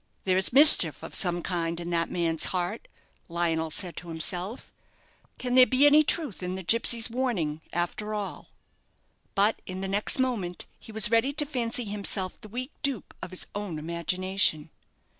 "There is mischief of some kind in that man's heart," Lionel said to himself. "Can there be any truth in the gipsy's warning after all?" But in the next moment he was ready to fancy himself the weak dupe of his own imagination.